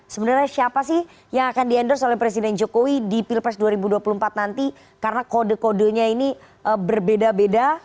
sebenarnya siapa sih yang akan di endorse oleh presiden jokowi di pilpres dua ribu dua puluh empat nanti karena kode kodenya ini berbeda beda